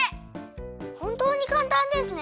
ほんとうにかんたんですね。